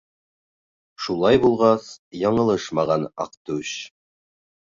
Шулай булғас, яңылышмаған Аҡтүш.